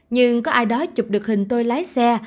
nhưng có ai đó chụp được hình tôi lái xe